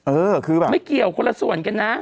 เออคือแบบไม่เกี่ยวคนละส่วนกันนะ